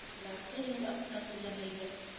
Ярты йыл аҡса түләмәйҙәр!